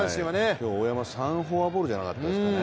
今日、大山、３フォアボールじゃなかったですかね。